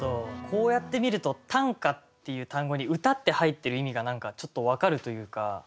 こうやって見ると「短歌」っていう単語に「歌」って入ってる意味が何かちょっと分かるというか。